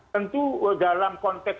tentu dalam konteks